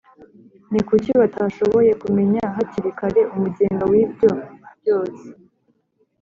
ni kuki batashoboye kumenya hakiri kare Umugenga w’ibyo byose?